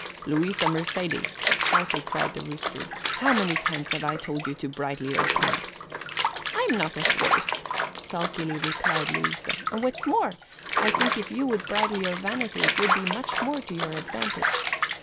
"Louisa Mercedes," sharply cried the rooster, "how many times have I told you to bridle your tongue?" "I'm not a horse," sulkily replied Louisa, "and what's more, I think if you would bridle your vanity it would be much more to your advantage.